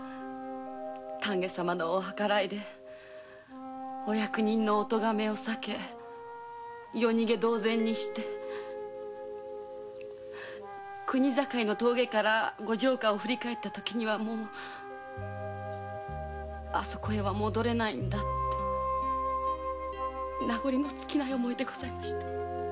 丹下様のお計らいでお役人のオトガメを避け夜逃げ同然にして国境の峠からご城下を振り返った時にはもう戻れないんだって名残のつきない思いでございました。